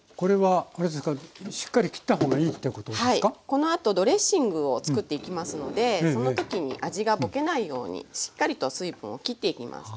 このあとドレッシングを作っていきますのでその時に味がぼけないようにしっかりと水分を切っていきます。